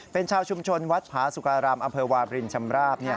เป็นชาวชุมชนวัดพระสุการามอวาบรินชำราบ